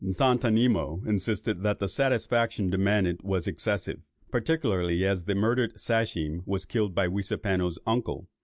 Tontonimo insisted that the satisfaction demanded was excessive; particularly as the murdered Sachem had killed Weaseapano's uncle.